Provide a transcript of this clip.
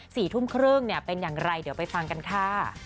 สี่ทุ่มครึ่งเนี่ยเป็นอย่างไรเดี๋ยวไปฟังกันค่ะ